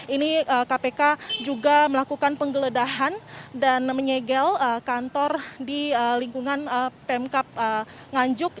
ini kpk juga melakukan penggeledahan dan menyegel kantor di lingkungan pemkap nganjuk